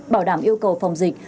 bảo đảm yêu cầu phòng dịch